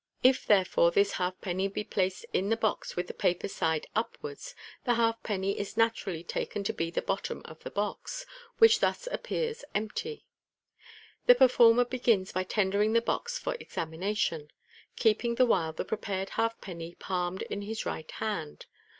If therefore this halfpenny be placed in the box with the papered side upwards, the halfpenny is naturally taken to be the bottom of the box, which thus appears empty. The performer begin by tendering the box for examination, keeping the while the prepared halfpenny palmed in his right hand.